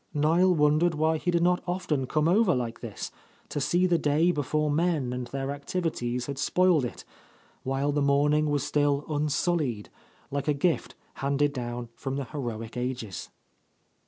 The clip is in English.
Niel wondered why he did not often come over like this, to see the day before men and their activities had spoiled it, while the morning was still unsullied, like a gift handed down from the heroic ages.